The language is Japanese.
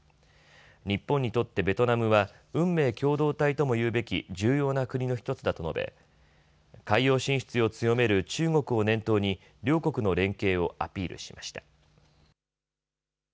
日本にとってベトナムは運命共同体とも言うべき重要な国の１つだと述べ海洋進出を強める中国を念頭に両国の連携をアピールしました。